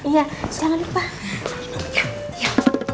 jangan lupa minum ya